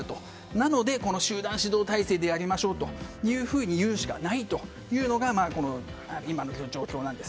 なので、集団指導体制でやりましょうというふうに言うしかないというのが今の状況なんです。